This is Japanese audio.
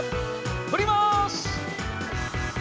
ふります！